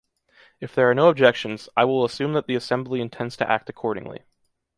If there are no objections, I will assume that the Assembly intends to act accordingly.